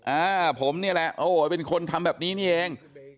อ่าผมนี่แหละโอ้โหเป็นคนทำแบบนี้นี่เอง